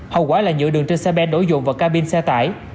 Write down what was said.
hậu quả là nhựa đường trên xe ben đổ dồn vào cabin xe tải